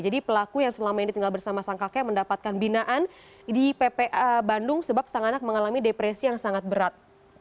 jadi pelaku yang selama ini tinggal bersama sang kakek mendapatkan binaan di ppa bandung sebab sang anak mengalami depresi yang sangat berat